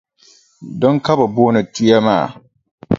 Dina ka bɛ booni tuya maa.